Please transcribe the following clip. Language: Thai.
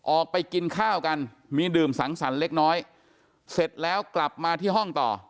ออกไปกินข้าวกันมีดื่มสังสรรค์เล็กน้อยเสร็จแล้วกลับมาที่ห้องต่อ